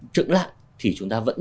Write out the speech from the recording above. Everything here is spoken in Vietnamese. trựng lại thì chúng ta vẫn